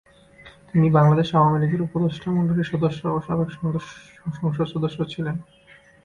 তিনি বাংলাদেশ আওয়ামী লীগের উপদেষ্টা মণ্ডলীর সদস্য ও সাবেক সংসদ সদস্য ছিলেন।